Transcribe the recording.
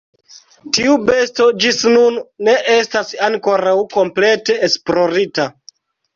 Tiu besto ĝis nun ne estas ankoraŭ komplete esplorita.